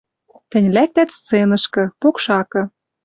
Тӹнь лӓктӓт сценышкы, покшакы